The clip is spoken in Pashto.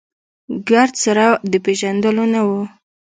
ګرد سره د پېژندلو نه و.